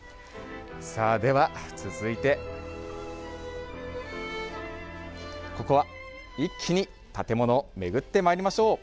続いて一気に建物を巡ってまいりましょう。